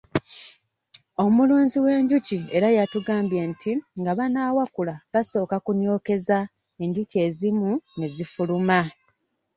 Omulunzi w'enjuki era yatugambye nti nga banaawakula basooka kunyookeza enjuki ezimu ne zifuluma.